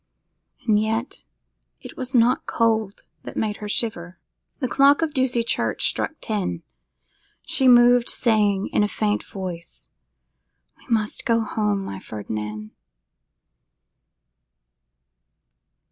And yet it was not cold that made her shiver. The clock of Ducie Church struck ten. She moved, saying, in a faint voice, 'We must go home, my Ferdinand!